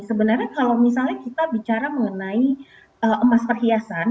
sebenarnya kalau misalnya kita bicara mengenai emas perhiasan